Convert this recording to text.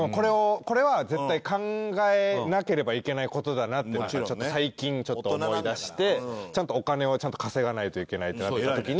これは絶対考えなければいけない事だなって最近ちょっと思いだしてお金はちゃんと稼がないといけないってなった時に。